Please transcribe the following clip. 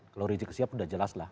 kalau rizik sihab sudah jelas lah